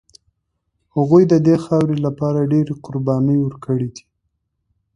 هغوی د دې خاورې لپاره ډېرې قربانۍ ورکړي دي.